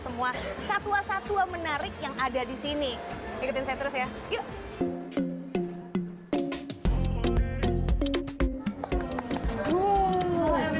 semua satwa satwa menarik yang ada di sini ikutin saya terus ya yuk